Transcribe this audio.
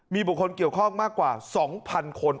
มีบุคคลเกี่ยวข้องมากกว่า๒๐๐คน